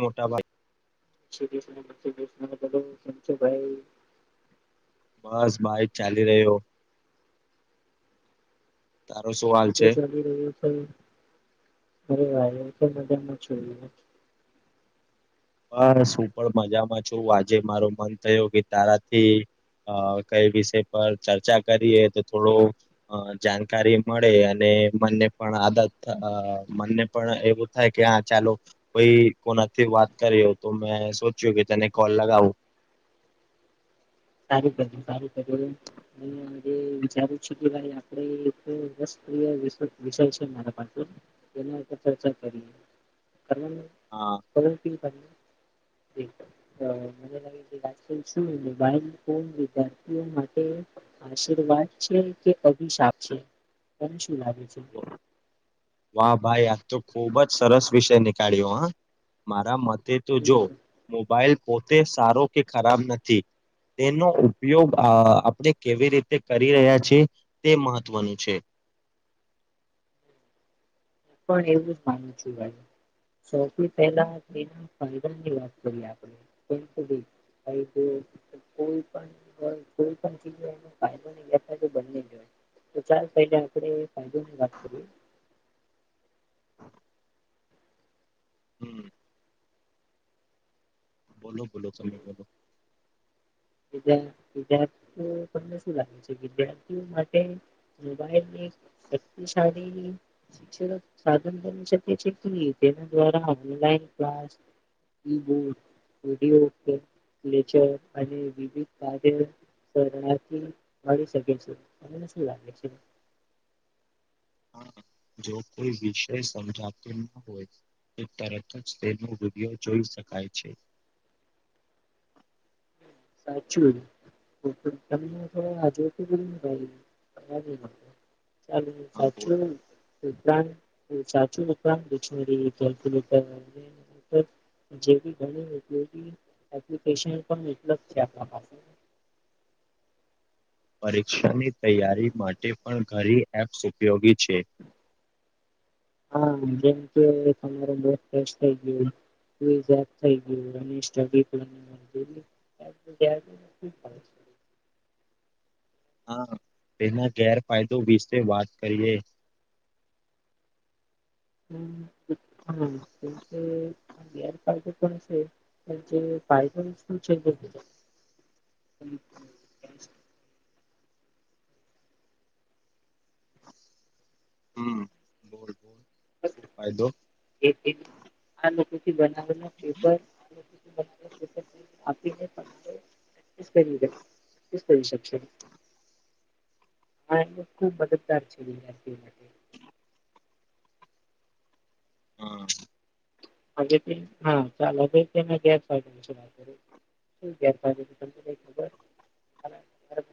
મોટા ભાગ છીસ બુંમ છ ભાઈ બસ બાઇક ચાલી રહ્યો તારો શું હાલ તો છે ચાલી રહ્યો છે અરે વા મ્જમાં જો ઈજ્ બસ હું પણ મજામાં છું આજે મારો મન થયો કે તારાથી અ કઈ વિષય પર ચર્ચા કરીએ તો થોડું અ જાણકારી મળે અને મને પણ આદત મને પણ એવું થાય કે હા ચાલો કોઈ કોનાથી વાત કર્યો તો મેં સોચ્યું કે તને કોલ લગાવું સારું બું સારું કરું એજ વિચારું છે કે ભાઈ આપડે એક વત વિષય છે મારા પાછ એના ચર્ચા કરીએ કર હા [inaudible] તો મને લાગે છે રાજ શું બ [inaudible] વિદ્યાર્થીઓ માટે આશીર્વાદ છે કે અભિશાપ છે. તને શું લાગે છે. વાા ભાઈ આજ તો ખુબ જ સરસ વિષય નીકળ્યો હા મારા મત તે તો હમ જો હું મોબાઈલ પોતે સારો કે ખરાબ નથી તેનો ઉપયોગ આપણે કેવી રીતે કરી રહ્યા છીએ તે મહત્વનું છે. હમ [unintelligible] પણ એવું જ માનું છ ભાઈ સૌથી પહેલા એના ફાયદા ની વાત કરીએ આપણેધી જો કોઈ પણ હો કોઈ પણ ચીજ હોય એનો ફાયદો વથા તો બને જ હોય તો ચાલ પહેલે આપણેે ફાયદો ની વાત કરીએ. હમ બોલો બોલો તમે બોલોલો. વિદ્યાર્થીઓ તમને શું લાગે છે વિદ્યાર્થીઓ માટે મોબાઈલ ની શક્તિશાળી શિક્ષ સાધન બની શકે છે તેના દ્વારા મોબાઈલ ક્લાસ ઈુક વિડીયોચર અને બ [inaudible] સર આથી મળી શકે છે તને શું લાગે છે? જો કોઈ વિષય સમજાત ન હોય. એક તરત જ તેનો વિડિયો જોઈ શકાય છે. સાચું. તને થો આજ [inaudible] [unintelligible] ઉપરાંત આ બોર્ડ સાચુંરાંતિકરી કેલ્ક્યુલેટર જે ઘણી [unintelligible] પણ લગ છે આપણા પાસે પરીક્ષાની તૈયારી માટે પણ ઘરી એપ્સ ઉપયોગી છે. હા જેમ કે તમારે બહુ ફેશ થઇ ગયું. [unintelligible] [inaudible] હા તેના ગેરફાયદો વિશે વાત કરીએ [inaudible] હમ્મ [unintelligible] ગેરફાયદો પણ છે. જે પાય [unintelligible] હમ્મ હમ્મ બોલ. શું ફાયદો આ લોકોથી બનાવેના પેપર [unintelligible] આપીને [unintelligible] શકશે આ એ ખુબ મદદગાર છે વિદ્યાર્થીઓ માટે. હા હા ચાલ [unintelligible] શું ગેરફાયદો [unintelligible]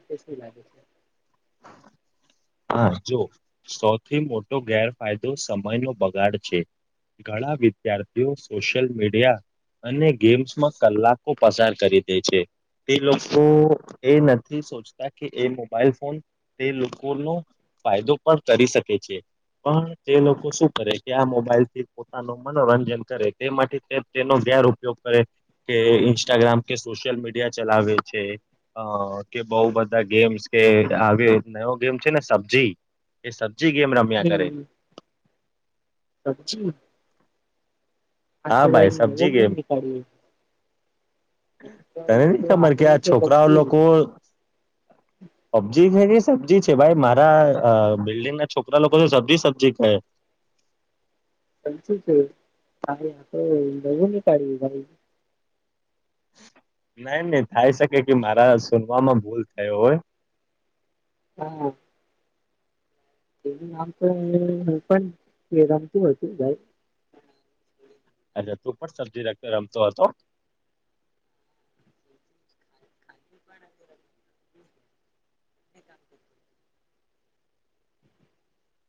ખબર શું લાગે છે. હા જો, સૌથી મોટો ગેરફાયદો સમય નો બગાડ છે. ઘણા વિદ્યાર્થીઓ સોશિયલ મીડિયા અને ગેમ્સમાં કલાકો પસાર કરી દે છે. તે લોકો એ નથી સોચતા કે એ મોબાઈલ ફોન તે લોક કો નો ફાયદો પણ કરી શકે છે. પણ તે લોકો શું કરે કે આ મોબાઈલ થી પોતાનું મનોરંજન કરે તે માટે તે તેનો ગેરઉપગ કરે, કે ઇન્સ્ટાગ્રામ કે સોશિયલ મીડિયા ચલાવે છે અ કે બઉ બધા ગેમ્સ કે આવી નયો ગેમ છે ને સબ્જી એ સબ જી ગેમ રમ્યા કરે. હમ્મ પબજી આ હા તો ભાઈ નવો સબ્જી ગેમ. નીકાળ્યો. છે. તો તને એવું નહી તો ખબર કે સાંભળ્યું આ છે છોકરાઓ પબજી લોકો પબજી છેકે સબ્જી છે ભાઈ મારા બિલ્ડિંગ ના છોકરા લોકો સબ્જી સબજી કહે. સાચું છે હ આ તો નવું નીકાળ્યું ભાઈ ના નહી થાય સકે કે મારા સુનવામાં ભૂલ થયો હોય હા એ આમ તો હ પણ વેદામતું હો હતું ભાઈ [unintelligible] સબ્જી રાતના રમતો હતો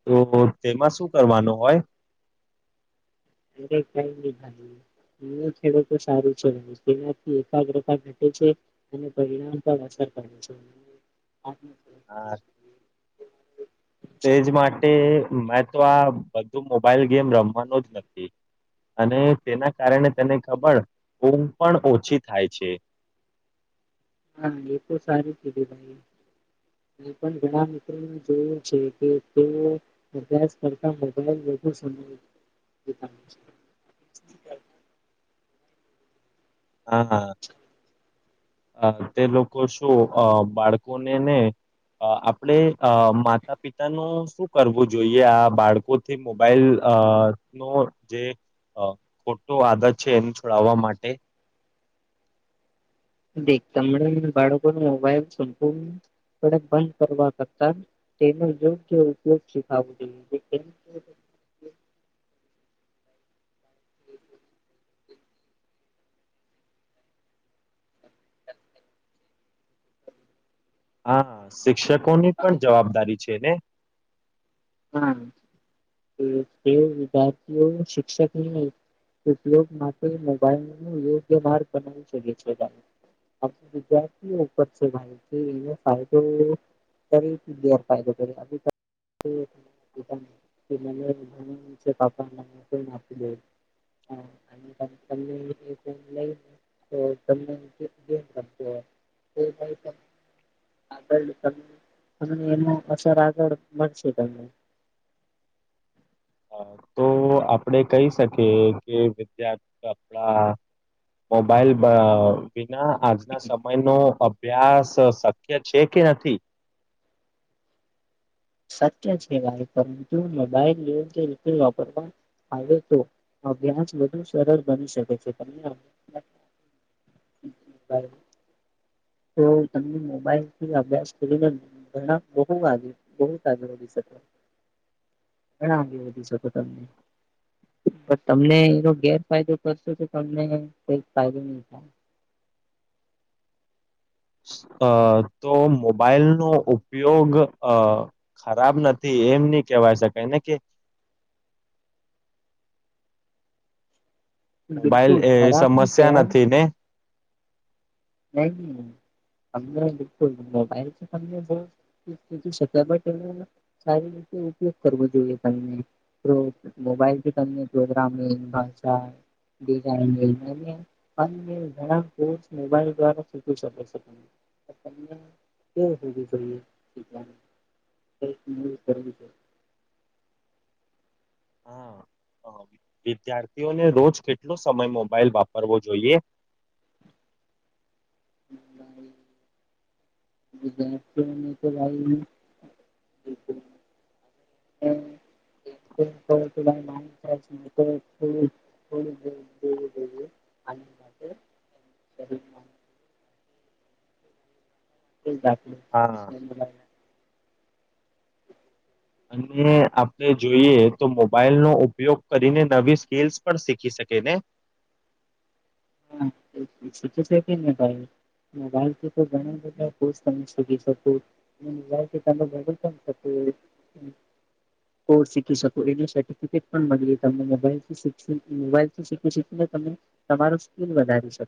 તો તેમાં શું કરવાનું હોય? એ કઈ નહી ભાઈ અ ખેડૂતો સારું છે, તેનાથી એકાગ્રતા ઘટે છે, અને પરિણામ પર અસર [unintelligible] હા. તેજ માટે મેં તો આ બધું મોબાઈલ ગેમ રમવાનો જ નથી અને તેના કારણે તને ખબર ઊંઘ પણ ઓછી થાય છે હા એ તો સારી કીધું ભાઈ મે પણ ઘણા મિત્રોને જોયું છે કે તેઓ અભ્યાસ કરતા મોાઈલ [unintelligible] હા અ તે લોકો શું બાળકોને ને આપણેે માતા પિતાનું શું કરવું જોઈએ આ બાળકોથી મોબાઈલ અ નો જે ખોટો આદત છે એને છોડાવવા માટે દ તમને બાળકો ન મોબાઈલપ બંધ કરવા કરતા તેનો યોગ્ય ઉપયોગ શીખવો જોઈએ હમ હા શિક્ષકોની પણ જવાબદારી છે ને હા તે વિદ્યાર્થીઓ શિક્ષક ઉપયોગ માટે મોબાઈલ ન યોગ્ય માર્ બનાવી શકે છે આપ વિદ્યાર્થીઓ ઉપર છે ભાઈ એનો ફાયદો તરી દર ફાયદો અ નીચે પાપ નાી દે હ અનેમ તો તમને ગમ રમતો હોય તો આગળ ત એસ આગળ શીક અ, તો આપડે કહી શકીએ કે વિદ્યાર્થી આપણા મોબાઈલ વિના આજના સમયનો અભ્યાસ શક્ય છે કે નથી સાત છે વા પરુબાઈલ વાપર આવે તો અભ્યાસ વધુ સરળ બની શકે છે ત બબ તો તમને મોબાઈલ થી અભ્યાસ કરીને ઘણા બ બુ આગળ વધી શકે ઘણા અંગે વધી શકો તમે તમને એનો ગેરફાયદો કરશો તો તમને કઈ ફાયદો નહી થાય અ તો મોબાઈલ નો ઉપયોગ અ ખરાબ નથી એમ નહી કેવાય શકાયને કે મોબાઈલ બિલકુલ એ ખરાબ ન સમસ્યા નથી ને હમ અમને બિલકુલ મોબાઈલ છે તને બ કીધુંક સારી ઉપયોગ કરવો જોઈએ તને મોબાઈલથી ગ્રામીણ ભાષા ણા મોબાઈલ કે હોવું જોઈએ તે કર છે હા વિદ્યાર્થીઓને રોજ કેટલો સમય મોબાઈલ વાપરવો જોઈએ બ વિદ્યાર્થીઓ તો વા હ દેવી દવી અ એખ હા અને આપણે જોઈએ તો મોબાઈલ નો ઉપયોગ કરીને નવી સ્કીલ્સ પણ શીખી શકીએ ને હાું છે કેને ભાઈ મોાઈલથી તોણા બધા તી શલથીમે હ કોર્સ શીખી શકું એની સર્ટિફિકેટ પણ મળી તમને મોલથી મોાઈલથી શીખ શ તમે તમાર સ્કીલ વધારી શ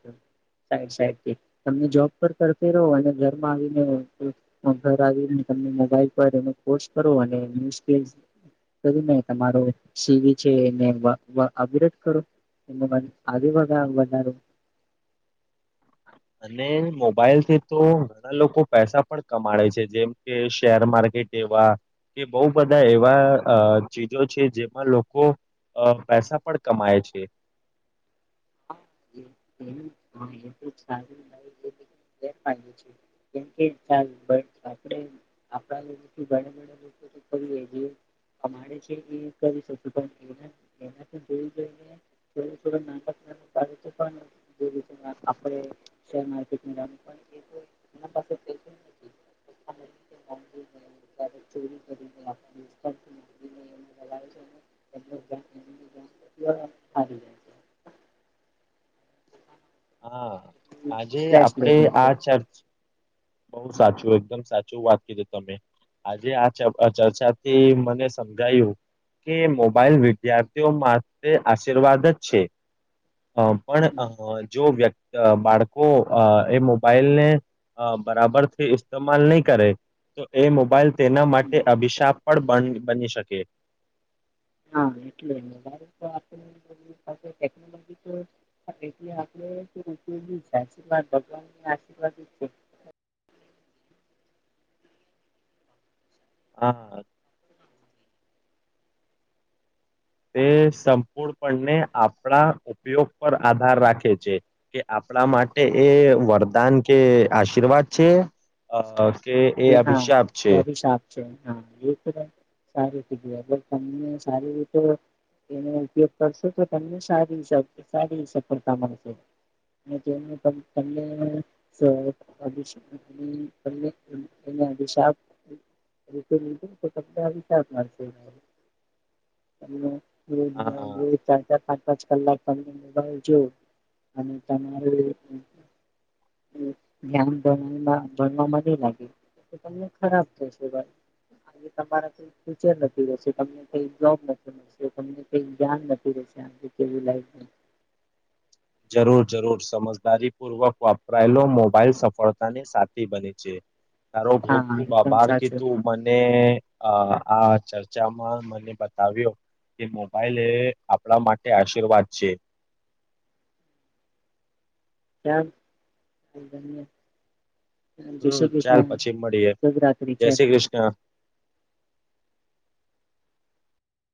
સાઇડ સાઇડ, [unintelligible] તમે જોબ પર કરતી રહો અને ઘરમાં આવીને, ઘર આવીને મોબાઈલ પર એને પોસ્ટ કરો અને એવું નઈ તમારો સીવી છે એને અવ અપગ્રેડ કરો [unintelligible] અને મોબાઈલથી તો ઘણા લોકો પૈસા પણ કમાડે છે, જેમ કે શેર માર્કેટ એવું હા, કે બો બધા એવા ચીજો છે, જેમાં લોકો અહ પૈસા પણ કમાય છે. હા. [unintelligible] [unintelligible] જેમ કે [unintelligible] આપડે આપડા લોકોથી [unintelligible] લોકો કરી જે અમારે છે એ કરી શકું, પણ એ એનાથી જોઈું જોઈને [inaudible] આપડે શેર માર્કેટ [inaudible] આપણને એમને લગાવે છે અને એમનું એમનું જ્ઞાન હારી જાય છે હા, આજે સ્ટ્રેસ આપડે લઈ લે છે આ ચર્ચ બહુ સાચું, એકદમ સાચું વાત કીધી તમે. આજે આ [unintelligible] ચર્ચાથી મને સમજાયું કે મોબાઈલ વિદ્યાર્થીઓ માટે આશીર્વાદ જ છે. અહ પણ અહ જો વ્યક્ અહ બાળકો અહ એ મોબાઈલને અહ બરાબરથી ઇસ્તેમાલ ની કરે. તો એ મોબાઈલ તેના માટે અભિશાપ પણ બન બની શકે. હા, એટલે [inaudible] એટલે આપણેે [inaudible] આશીર્વાદ ભગવાનને આશીર્વાદ જ છે. હા. તે સંપૂર્ણપને આપડા ઉપયોગ પર આધાર રાખે છે, કે આપડા માટે એ વરદાન કે આશીર્વાદ છે, અહ કે હા અભિશાપ છે, હા, એતો તમે સારું કીધું તમને સારી રીતે એનો ઉપયોગ કરશો, તો તમને સારી સાર સારી સફળતા મળશે. ને [inaudible] એને અભિશાપ [inaudible] [inaudible] હા ચાર ચાર, પાંચ પાચ કલાક તમને મોબાઈલ જો અને તમારે ધ્યાન [unintelligible] ભણવાવામાં ની લાગે. તમને ખરાબ થશે ભાઈ આજે તમારા કઈ ફ્યુચર નથી રહેશે, તમને કઈ જોબ નથી મળશે, તમને કઈ જ્ઞાન નથી રહેશે, [unintelligible] કેવી લાઇફ [unintelligible] જરૂર જરૂર સમજદારી પૂર્વક વાપરાયેલો મોબાઈલ, સફળતાની સાથી બને છે. તારો ખૂબ હા ખૂબ એકદમ આભાર કી સાચું તું મને અહ આ ચર્ચામાં મને બતાવ્યો કે મોબાઈલ એ આપડા માટે આશીર્વાદ છે. હ [unintelligible] જય હમ શ્રી ચાલ કૃષ્ણ! પછી મળીએ શુભયાત્રી, જય ચલ શ્રી કૃષ્ણ